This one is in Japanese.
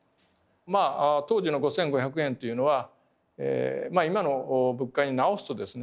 まあ当時の５，５００円というのは今の物価に直すとですね